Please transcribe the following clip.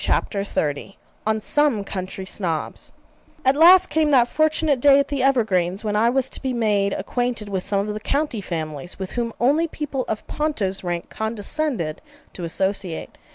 CHAPTER XXX ON SOME COUNTRY SNOBS At last came that fortunate day at the Evergreens, when I was to be made acquainted with some of the 'county families' with whom only people of Ponto's rank condescended to associate.